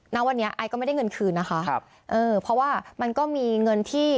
ณวันนี้ไอก็ไม่ได้เงินคืนนะคะครับเออเพราะว่ามันก็มีเงินที่